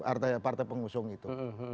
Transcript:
artinya partai pengusung itu